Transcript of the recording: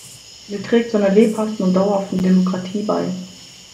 Sie trägt zu einer lebhaften und dauerhaften Demokratie bei.